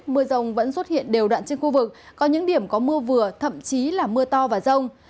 mưa rồng vẫn xuất hiện đều đoạn trên khu vực có những điểm có mưa vừa thậm chí là mưa to và rông